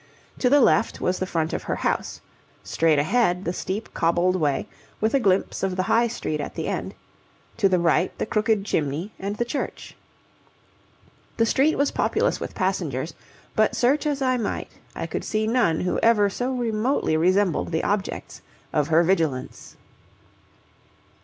To the left was the front of her house, straight ahead the steep cobbled way, with a glimpse of the High Street at the end, to the right the crooked chimney and the church. The street was populous with passengers, but search as I might, I could see none who ever so remotely resembled the objects of her vigilance.